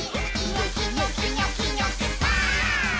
「ニョキニョキニョキニョキバーン！」